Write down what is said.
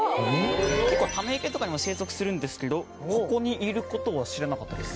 結構ため池とかにも生息するんですけどここにいることは知らなかったです。